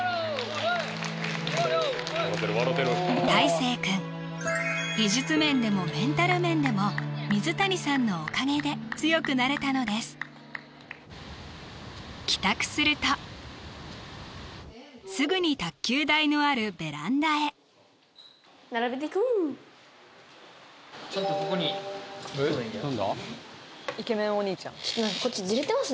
せい君技術面でもメンタル面でも水谷さんのおかげで強くなれたのです帰宅するとすぐに卓球台のあるベランダへイケメンお兄ちゃん